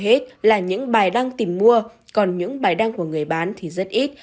hầu hết là những bài đăng tìm mua còn những bài đăng của người bán thì rất ít